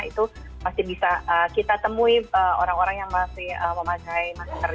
itu masih bisa kita temui orang orang yang masih memakai masker